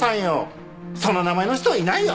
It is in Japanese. そんな名前の人はいないよ。